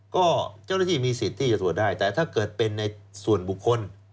ก็เจ้าหน้าที่มีสิทธิ์ที่จะตรวจได้แต่ถ้าเกิดเป็นในส่วนบุคคล